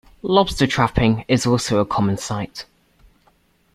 Lobster trapping is also a common sight.